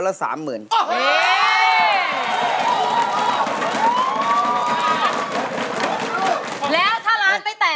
แล้วถ้าร้านไม่แตะ